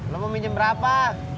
lo mau minjem berapa